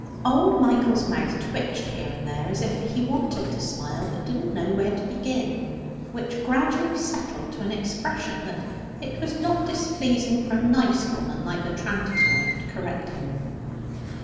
Old Michael's mouth twitched here and there, as if he wanted to smile but didn't know where to begin, which gradually settled to an expression that it was not displeasing for a nice woman like the tranter's wife to correct him.